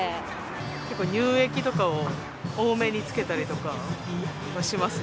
結構、乳液とかを多めにつけたりとかはしますね。